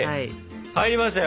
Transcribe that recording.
入りましたよ。